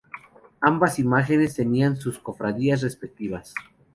Ambas imágenes tenían sus cofradías respectivas.